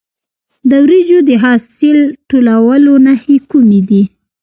د وریجو د حاصل ټولولو نښې کومې دي؟